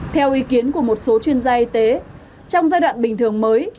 theo ý kiến của một số chuyên gia y tế trong giai đoạn bình thường mới